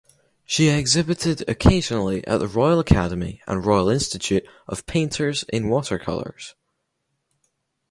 She exhibited occasionally at the Royal Academy and Royal Institute of Painters in Watercolours.